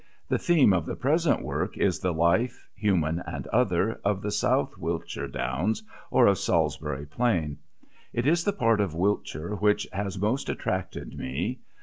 The theme of the present work is the life, human and other, of the South Wiltshire Downs, or of Salisbury Plain. It is the part of Wiltshire which has most attracted me.